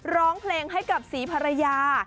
ร้องเพลงให้กับศรีภรรยา